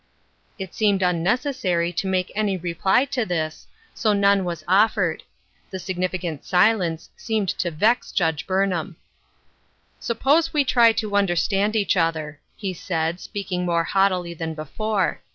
It seemed unnecessary to make any reply to this, so none was offered. The significant silence seemed to vex Judge Burnham. " Suppose we try to understand each other," he said, speaking more haughtily than before.